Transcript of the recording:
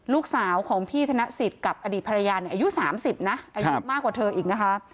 ลูกสาวของพี่ธนสิทธิ์กับอดีตภรรยาเนี่ยอายุ๓๐นะอายุมากกว่าเธออีกนะคะ